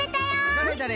どれどれ？